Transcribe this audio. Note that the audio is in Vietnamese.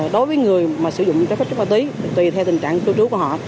đối với người mà sử dụng cái phép chất má túy tùy theo tình trạng cư trú của họ